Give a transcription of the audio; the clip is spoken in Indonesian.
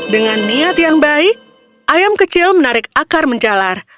dengan niat yang baik ayam kecil menarik akar menjalar